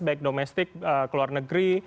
baik domestik keluar negeri